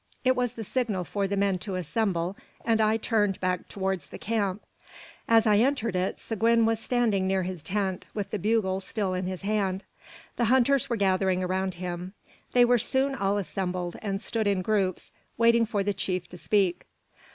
It was the signal for the men to assemble, and I turned back towards the camp. As I re entered it, Seguin was standing near his tent, with the bugle still in his hand. The hunters were gathering around him. They were soon all assembled, and stood in groups, waiting for the chief to speak.